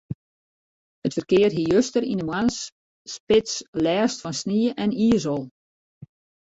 It ferkear hie juster yn de moarnsspits lêst fan snie en izel.